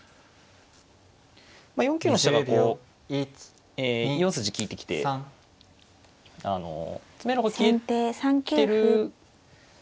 ４九の飛車がこう４筋利いてきて詰めろが消えてる。